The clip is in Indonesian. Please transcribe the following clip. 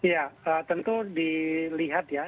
ya tentu dilihat ya